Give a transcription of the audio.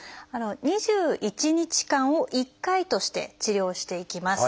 ２１日間を一回として治療していきます。